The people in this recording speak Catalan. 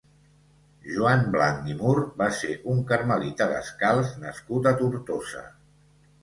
Joan Blanc i Mur va ser un carmelita descalç nascut a Tortosa.